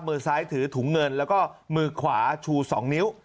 มือซ้ายถือถุงเงินแล้วก็มือขวาชู๒นิ้ว